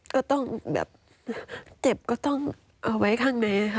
ก็ต้องแบบเจ็บก็ต้องเอาไว้ข้างในค่ะ